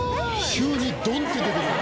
「急にドンッて出てくる」